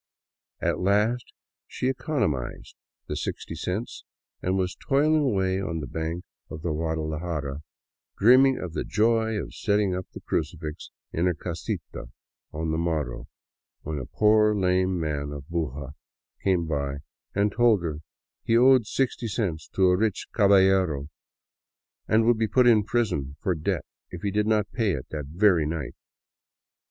At last she economized the sixty cents and was toiling away on the bank of the Guadalajara, dreaming of the joy of setting up the crucifix in her casita on the morrow, when a poor lame man of Buga came by and told her he owed sixty cents to a rich caballero, and would be put in prison for debt if he did not pay it that very night.